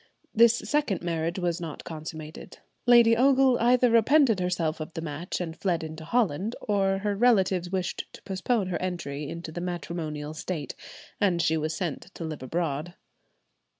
This second marriage was not consummated; Lady Ogle either repented herself of the match and fled into Holland, or her relatives wished to postpone her entry into the matrimonial state, and she was sent to live abroad.